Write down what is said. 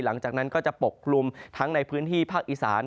หลังจากนั้นก็จะปกคลุมทั้งในพื้นที่ภาคอีสาน